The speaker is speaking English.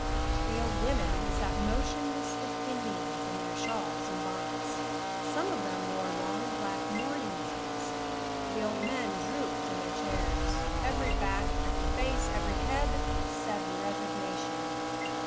The old women sat motionless as Indians in their shawls and bonnets; some of them wore long black mourning veils. The old men drooped in their chairs. Every back, every face, every head said "resignation."